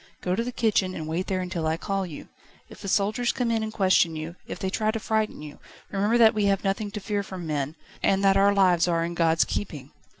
Go to the kitchen, and wait there until I call you. If the soldiers come in and question you, if they try to frighten you, remember that we have nothing to fear from men, and that our lives are in God's keeping."